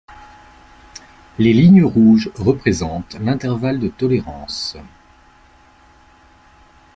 Les lignes rouges représentent l'intervalle de tolérance.